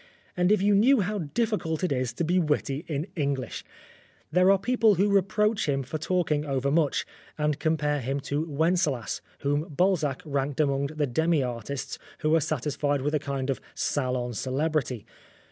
And if you knew how difficult it is to be witty in English ! There are people who reproach him for talking overmuch, and compare him to Wencelas, whom Balzac ranked among the demi artists who are satisfied with a kind of salon celebrity.